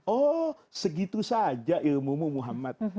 oh segitu saja ilmumu muhammad